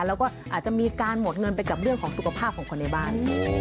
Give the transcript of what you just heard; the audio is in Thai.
แล้วก็อาจจะมีการหมดเงินไปกับเรื่องของสุขภาพของคนในบ้าน